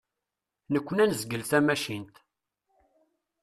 Nekni ad nezgel tamacint.